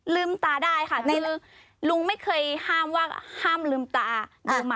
ลืมตาได้ค่ะคือลุงไม่เคยห้ามว่าห้ามลืมตาลืมมา